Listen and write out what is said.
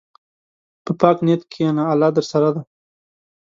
په پاک نیت کښېنه، الله درسره دی.